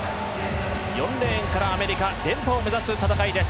４レーンからアメリカ連覇を目指す戦いです。